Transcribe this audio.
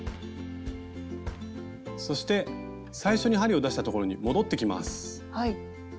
そして最初に針を出したところに戻ってきます。